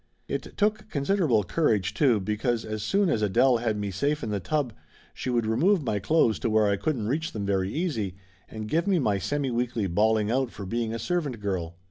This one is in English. It took considerable courage, too, because as soon as Adele had me safe in the tub she would remove my clothes to where I couldn't reach them very easy, and give me my semiweekly bawling out for being a servant girl.